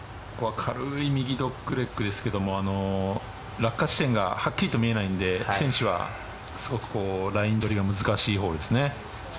軽い右ドッグレッグですけども落下地点がはっきりと見えないので選手はすごくライン取りが難しいホールですね。